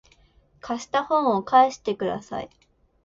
貸した本を返してください